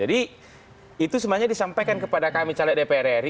itu sebenarnya disampaikan kepada kami caleg dpr ri